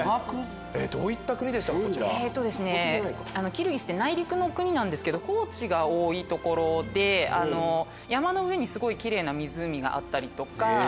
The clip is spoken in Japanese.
キルギスって内陸の国なんですけど高地が多い所で山の上にキレイな湖があったりとか。